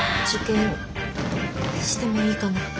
受験してもいいかな？